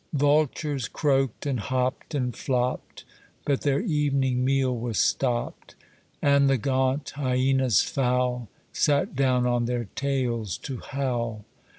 Vultures croaked, and hopped, and flopped, But their evening meal was stopped. And the gaunt hyenas foul Sat down on their tails to howl.